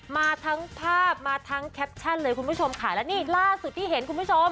มาทั้งภาพมาทั้งแคปชั่นเลยคุณผู้ชมค่ะแล้วนี่ล่าสุดที่เห็นคุณผู้ชม